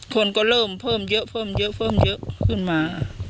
คนก็เริ่มเพิ่มเยอะเพิ่มเยอะเพิ่มเยอะขึ้นมา